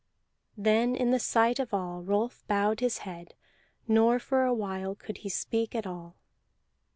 Then in the sight of all Rolf bowed his head, nor for a while could he speak at all.